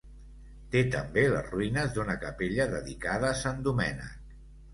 Té també les ruïnes d'una capella dedicada a Sant Domènec.